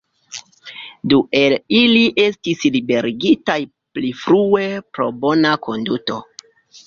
Du el ili estis liberigitaj pli frue pro bona konduto.